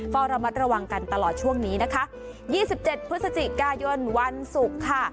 เฝ้าระมัดระวังกันตลอดช่วงนี้นะคะ๒๗พฤศจิกายนวันศุกร์ค่ะ